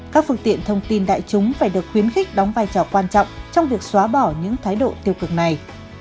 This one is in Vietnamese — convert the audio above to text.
các phương tiện thông tin đại chúng phải được khuyến khích đóng vai trò quan trọng trong việc xóa bỏ những thái độ tiêu cực này